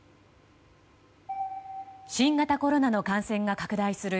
新型コロナの感染が拡大する